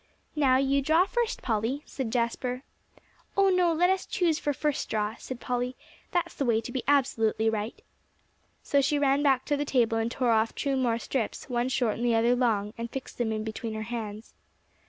"Now, you draw first, Polly," said Jasper. "Oh, no, let us choose for first draw," said Polly; "that's the way to be absolutely right." So she ran back to the table and tore off two more strips, one short and the other long, and fixed them in between her hands.